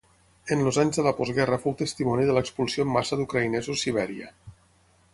En els anys de la postguerra fou testimoni de l'expulsió en massa d'ucraïnesos Sibèria.